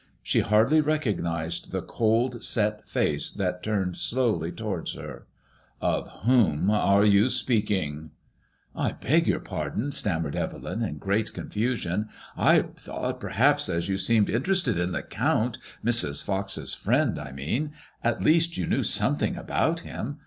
She hardly recognized the cold set face that turned slowly towards her. Of yfAioxn are you speaking ?" ''I beg your pardon/' stam mered Evelyn, in great confu sion. ''I thought, perhaps, as you seemed interested in the Count, Mrs. Fox's friend I mean — at least you knew something about him.